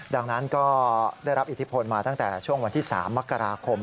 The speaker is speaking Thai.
ดังนั้นก็ได้รับอิทธิพลมาตั้งแต่ช่วงวันที่๓มกราคม